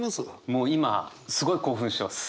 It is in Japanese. もう今すごい興奮してます。